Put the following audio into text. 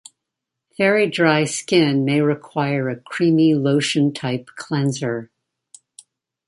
Very dry skin may require a creamy lotion-type cleanser.